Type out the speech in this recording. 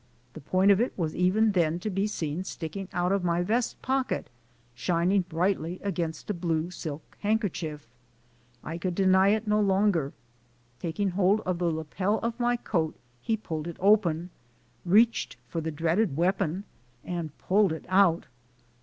The point of it was even then to be seen sticking out of my vest pocket, shining brightly against a blue silk handkerchief. I could deny it no longer. Taking hold of the lapel of my coat, he pulled it open, reached for the dreaded weapon and pulled it out.